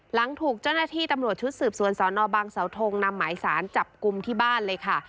หลังถูกเจ้าหน้าที่ตำรวจชุดสืบสวนสอนอบางเสาทงนำหมายสารจับกลุ่มที่บ้านเลยค่ะ